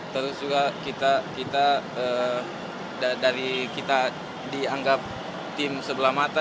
terus juga kita dianggap tim sebelah mata